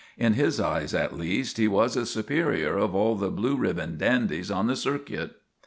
In his eyes, at least, he was the superior of all the blue ribbon dandies on the circuit.